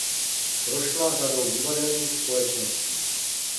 Prošla řadou divadelních společností.